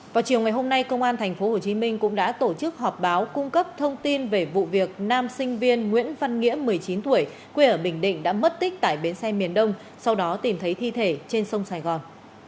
vào chiều ngày hôm nay công an tp hcm cũng đã tổ chức họp báo cung cấp thông tin về vụ việc nam sinh viên nguyễn văn nghĩa một mươi chín tuổi quê ở bình định đã mất tích tại bến xe miền đông sau đó tìm thấy thi thể trên sông sài gòn